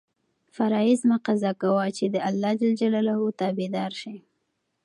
فرایض مه قضا کوه چې د اللهﷻ تابع دار شې.